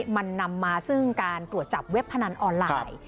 มันนำมาซึ่งการตรวจจับเว็บพนันออนไลน์